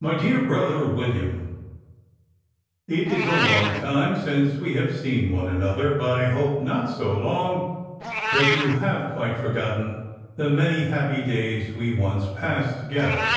"My Dear Brother William, It is a long time since we have seen one another; but I hope not so long, that you have quite forgotten the many happy days we once passed together.